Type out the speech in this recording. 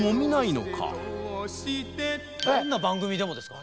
どんな番組でもですか？